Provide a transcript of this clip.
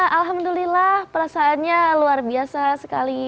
alhamdulillah perasaannya luar biasa sekali